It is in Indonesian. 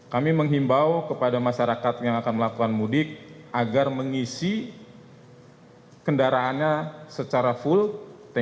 kami menghimbau kepada masyarakat yang akan melakukan mudik agar mengisi kendaraannya secara full